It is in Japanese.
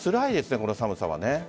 この寒さは。